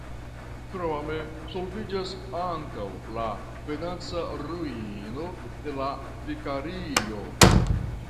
Krome solviĝas ankaŭ la financa ruino de la vikario.